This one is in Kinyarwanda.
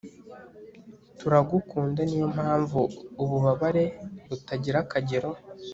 Turagukunda niyo mpamvu ububabare butagira akagero